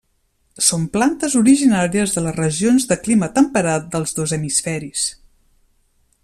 Són plantes originàries de les regions de clima temperat dels dos hemisferis.